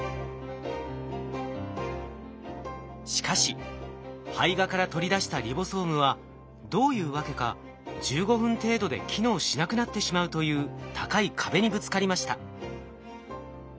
しかし胚芽から取り出したリボソームはどういうわけか１５分程度で機能しなくなってしまうという高い壁にぶつかりました。